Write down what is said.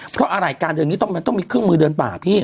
เพราะอะไรการอย่างนี้ต้องมีเครื่องมือเดินป่า